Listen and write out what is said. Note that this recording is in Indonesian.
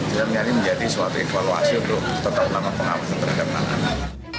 kita ingin menjadi suatu evaluasi untuk tetap dalam pengawasan terhadap anak anak